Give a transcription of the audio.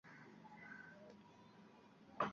এমন করে সাহস বেড়ে গেলে শেষকালে বিপদে পড়বে।